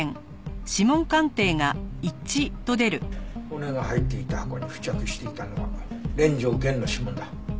骨が入っていた箱に付着していたのは連城源の指紋だ。